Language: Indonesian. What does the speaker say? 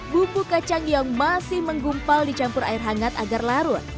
bumbu kacang yang masih menggumpal dicampur air hangat agar larut